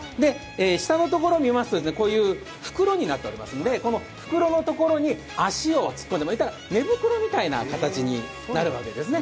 下のところを見ますと、袋になっておりますのでこの袋のところに足を突っ込んでもらったら、寝袋みたいな形になるわけですね。